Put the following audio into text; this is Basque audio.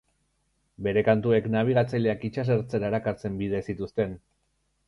Bere kantuek nabigatzaileak itsas ertzera erakartzen bide zituzten.